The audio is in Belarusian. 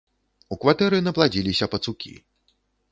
У кватэры напладзіліся пацукі.